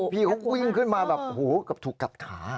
พี่เขากวิ่งขึ้นมาหูกระถูกกัดขา